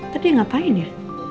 tadi ngapain ya